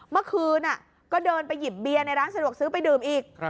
เมื่อคืนก็เดินไปหยิบเบียร์ในร้านสะดวกซื้อไปดื่มอีก